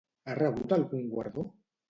Ha rebut algun guardó?